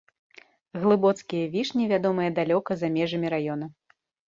Глыбоцкія вішні вядомыя далёка за межамі раёна.